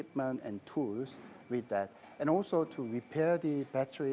di mana anda menjanjikan untuk memasang baterai